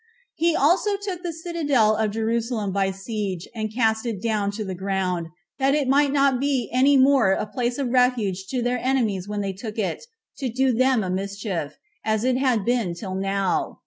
He also took the citadel of Jerusalem by siege, and cast it down to the ground, that it might not be any more a place of refuge to their enemies when they took it, to do them a mischief, as it had been till now.